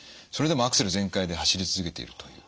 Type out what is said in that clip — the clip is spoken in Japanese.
それでもアクセル全開で走り続けていると。